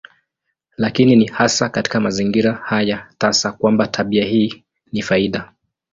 Lakini ni hasa katika mazingira haya tasa kwamba tabia hii ni faida.